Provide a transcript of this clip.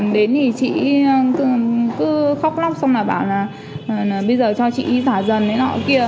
đến thì chị cứ khóc lóc xong là bảo là bây giờ cho chị giả dần đấy nọ kia